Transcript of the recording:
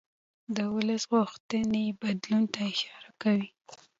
د ولس غوښتنې بدلون ته اشاره کوي